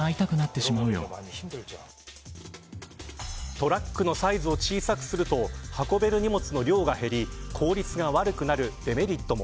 トラックのサイズを小さくすると運べる荷物の量が減り効率が悪くなるデメリットも。